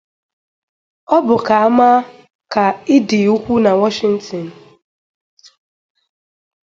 O bu kwa ama ka I di ukwu na Washington.